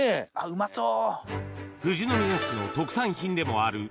うまそう。